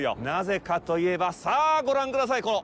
なぜかといえば、さあ、ご覧ください！